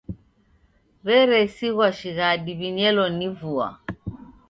W'eresighwa shighadi w'inyelo ni vua.